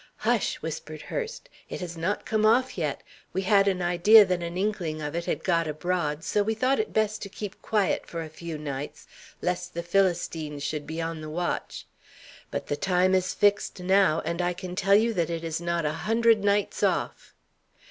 "Hush!" whispered Hurst. "It has not come off yet. We had an idea that an inkling of it had got abroad, so we thought it best to keep quiet for a few nights, lest the Philistines should be on the watch. But the time is fixed now, and I can tell you that it is not a hundred nights off."